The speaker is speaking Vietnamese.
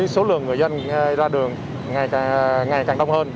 số lượng người dân ra đường ngày càng đông hơn